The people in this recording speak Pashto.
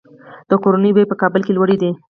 د کورونو بیې په کابل کې لوړې دي